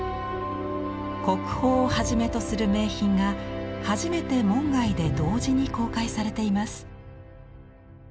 国宝をはじめとする名品が初めて門外で同時に公開されています。